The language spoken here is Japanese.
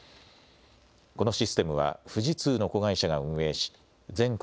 このシステムは、富士通の子会社が運営し、全国